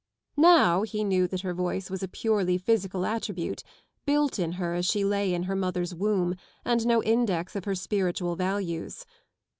Now he knew that her voice was a purely physical attribute, built in her as she lay in her mother's womb, and no index of her spiritual values.